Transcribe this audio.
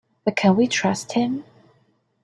But can we trust him?